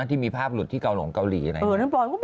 ที่มีภาพหลุดที่เกาหลงเกาหลีอะไรอย่างนี้